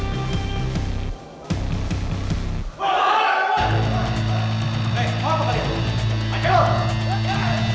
dua orang kepo banget sih kerjaannya